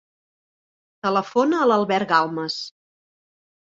Telefona a l'Albert Galmes.